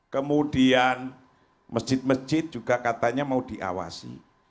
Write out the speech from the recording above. kemudian masjid masjid juga katanya mau diawasi